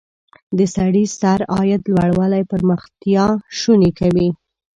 د سړي سر عاید لوړوالی پرمختیا شونې کوي.